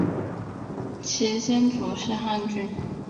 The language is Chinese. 其先祖是汲郡。